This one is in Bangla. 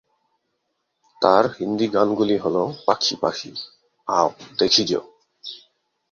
তাঁর হিন্দি গানগুলি হ'ল 'পাখি পাখি', 'আও দেখি জো'।